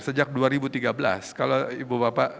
sejak dua ribu tiga belas kalau ibu bapak